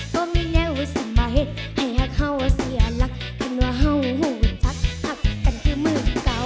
พ่อมีแนวสมบัติให้เฮาเสียหลักขึ้นว่าเฮาหุ่นทักทักกันคือมือเก่า